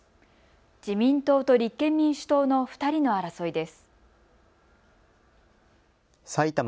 自民党と立憲民主党の２人の争いです。